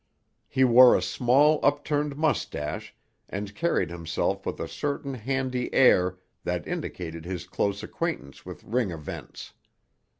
He wore a small, upturned moustache and carried himself with a certain handy air that indicated his close acquaintance with ring events.